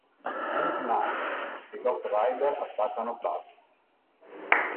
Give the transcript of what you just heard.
Moon Knight e Ghost Rider attaccano Plasma.